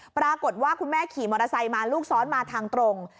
ปรากฏว่าคุณแม่ขี่มอเตอร์ไซค์มาลูกซ้อนมาทางตรง